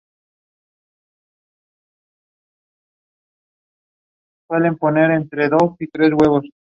No te he traicionado"".